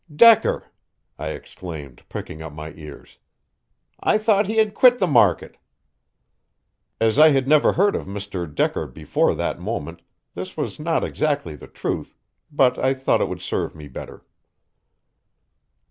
"Decker!" I exclaimed, pricking up my ears. "I thought he had quit the market." As I had never heard of Mr. Decker before that moment this was not exactly the truth, but I thought it would serve me better.